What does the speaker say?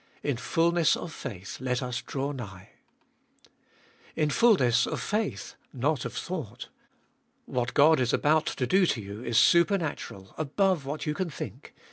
In fulness of faith let us draw nigh. In fulness of faith, not of thought. What God is about to do to you is supernatural, above what you can think.